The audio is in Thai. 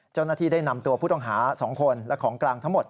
เจ้าหน้าที่ได้นำตัวผู้ต้องหา๒คนและของกลางทั้งหมด